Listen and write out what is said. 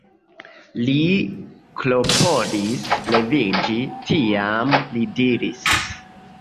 Li klopodis leviĝi, tiam li diris: